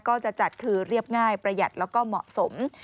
ก็จะจัดคือเรียบง่ายประหยัดแล้วก็เหมาะสม